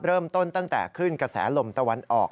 เริ่มต้นตั้งแต่คลื่นกระแสลมตะวันออก